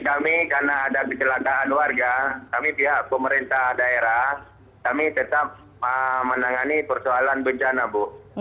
kami karena ada kecelakaan warga kami pihak pemerintah daerah kami tetap menangani persoalan bencana bu